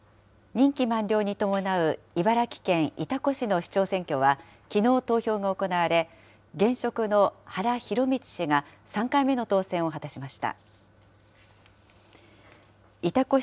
任期満了に伴う茨城県潮来市の市長選挙は、きのう投票が行われ、現職の原浩道氏が、３回目の当選を果たしました。